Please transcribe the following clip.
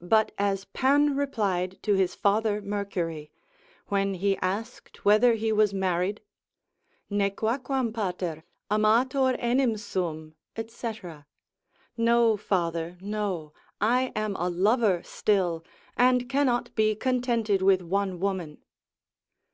But as Pan replied to his father Mercury, when he asked whether he was married, Nequaquam pater, amator enim sum &c. No, father, no, I am a lover still, and cannot be contented with one woman.